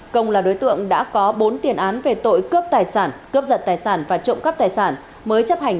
công là đối tượng đã có bốn tiền án về tội cướp giật tài sản và trộm cắp tài sản mới chấp hành